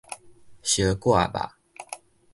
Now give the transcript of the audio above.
燒割肉